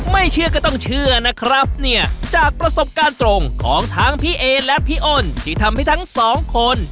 ไม่เชื่อก็ต้องเชื่อนะครับเนี่ยจากประสบการณ์ตรงของทั้งพีเอและพีอ่น